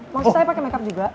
mau saya pakai make up juga